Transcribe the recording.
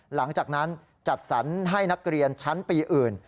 หลังจากนั้นจัดสรรให้นักเรียนชั้นปีอื่น